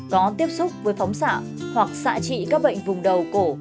có tiếp xúc với phóng xạ hoặc xạ trị các bệnh vùng đầu cổ